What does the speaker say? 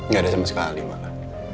gak ada sama sekali mama